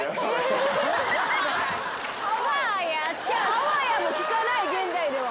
「あわや」も聞かない現代では。